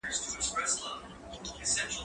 هغه څوک چي کالي مينځي منظم وي؟!